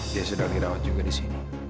dia sedang dirawat juga disini